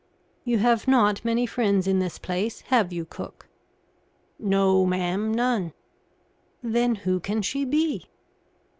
"You have not many friends in this place, have you, cook?" "No, ma'am, none." "Then who can she be?"